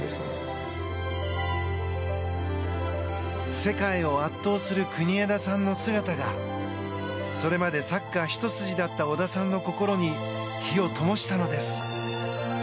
世界を圧倒する国枝さんの姿がそれまでサッカーひと筋だった小田さんの心に火をともしたのです。